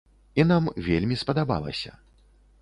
І нам вельмі спадабалася.